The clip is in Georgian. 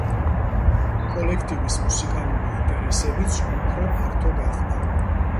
კოლექტივის მუსიკალური ინტერესებიც უფრო ფართო გახდა.